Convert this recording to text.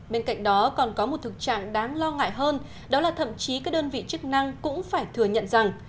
bên cạnh đó còn có một thực trạng đáng lo ngại hơn đó là thậm chí các đơn vị chức năng cũng phải thừa nhận rằng